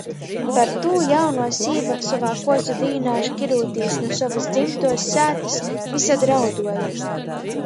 Par tū jaunuo sīva sovā kuozu dīnā, škirūtīs nu sovys dzymtuos sātys, vysod rauduoja.